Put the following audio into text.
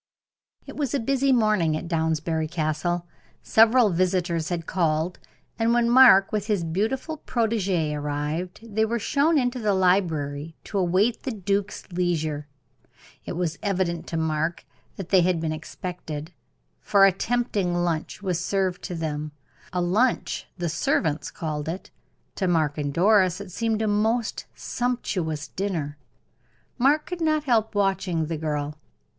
It was a busy morning at Downsbury Castle. Several visitors had called, and when Mark, with his beautiful protegee, arrived, they were shown into the library to await the duke's leisure. It was evident to Mark that they had been expected, for a tempting lunch was served to them; a lunch the servants called it to Mark and Doris it seemed a most sumptuous dinner. Mark could not help watching the girl.